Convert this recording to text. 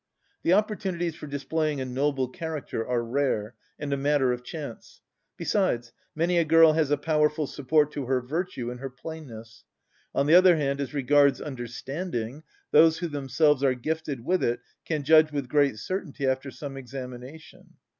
The opportunities for displaying a noble character are rare, and a matter of chance; besides, many a girl has a powerful support to her virtue in her plainness; on the other hand, as regards understanding, those who themselves are gifted with it can judge with great certainty after some examination.